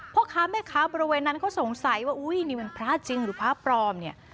พ่อค้าแม่ค้าบริเวณนั้นเขาสงสัยว่าอุ้ยนี่มันพระจริงหรือพระปลอมเนี่ย